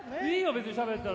別にしゃべったら。